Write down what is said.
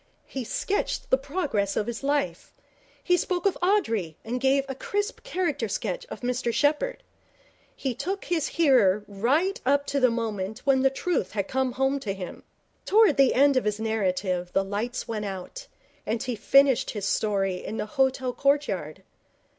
He sketched the progress of his life. He spoke of Audrey and gave a crisp character sketch of Mr Sheppherd. He took his hearer right up to the moment when the truth had come home to him. Towards the end of his narrative the lights went out, and he finished his story in the hotel courtyard.